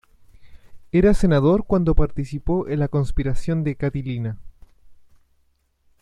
Era senador cuando participó en la conspiración de Catilina.